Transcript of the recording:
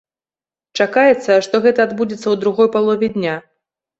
Чакаецца, што гэта адбудзецца ў другой палове дня.